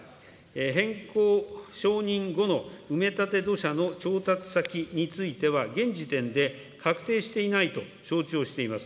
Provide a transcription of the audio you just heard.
変更承認後の埋め立て土砂の調達先については現時点で、確定していないと承知をしています。